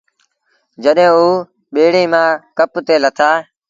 جڏهيݩٚ اوٚ ٻيڙيٚ مآݩٚ ڪپ تي لٿآ